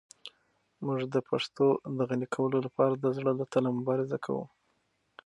موږ د پښتو د غني کولو لپاره د زړه له تله مبارزه کوو.